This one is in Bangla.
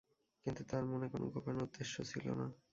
কিন্তু তাঁর মনে কোনো গোপন উদ্দেশ্য ছিল না।